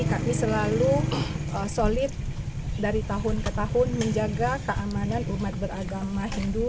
kami selalu solid dari tahun ke tahun menjaga keamanan umat beragama hindu